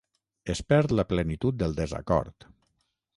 Es perd la plenitud del desacord.